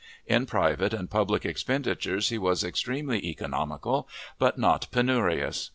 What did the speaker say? In private and public expenditures he was extremely economical, but not penurious.